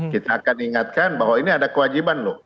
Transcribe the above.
kita akan ingatkan bahwa ini ada kewajiban loh